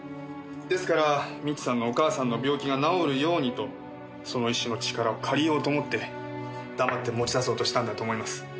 ですから未知さんのお母さんの病気が治るようにとその石の力を借りようと思って黙って持ち出そうとしたんだと思います。